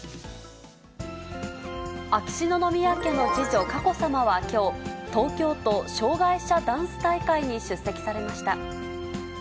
秋篠宮家の次女、佳子さまはきょう、東京都障がい者ダンス大会に出席されました。